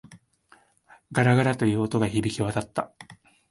ガラガラ、という音が響き渡った。